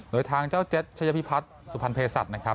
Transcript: โดยทางเจ้าเจ็ดชัยพิพัฒน์สุพรรณเพศัตริย์นะครับ